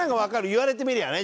言われてみりゃね。